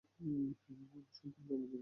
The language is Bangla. তারা আর সন্তান জন্ম দিতে পারবে না।